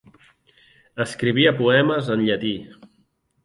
Escrivia poemes en llatí.